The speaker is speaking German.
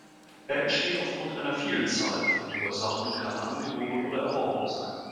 Er entsteht aufgrund einer Vielzahl von Ursachen und kann angeboren oder erworben sein.